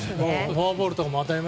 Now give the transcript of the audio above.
フォアボールとかも。